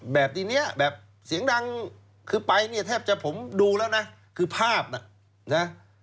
แบบนี้แบบเสียงดังคือไปเนี่ยแทบจะผมดูแล้วนะคือภาพน่ะนะ